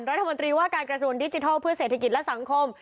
รัฐมนตรีว่าการกระทรวงดิจิทัลเพื่อเศรษฐกิจและสังคม